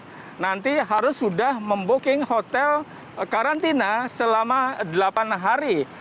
kalau yang akan kembali nanti harus sudah membuking hotel karantina selama delapan hari